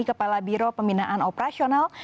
kepala biro pembinaan operasional